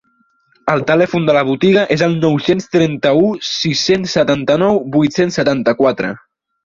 El telèfon de la botiga és el nou-cents trenta-u sis-cents setanta-nou vuit-cents setanta-quatre.